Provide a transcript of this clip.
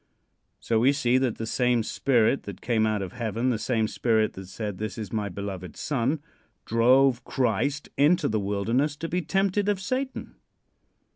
So we see that the same Spirit that came out of heaven, the same Spirit that said "This is my beloved son," drove Christ into the wilderness to be tempted of Satan.